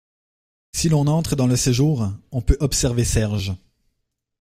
Si l’on entre dans le séjour, on peut observer Serge.